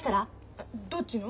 えどっちの？